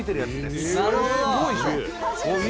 「すごい！」